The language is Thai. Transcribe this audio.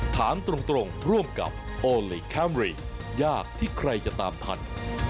ถามตรงร่วมกับโอลี่คัมรี่ยากที่ใครจะตามทัน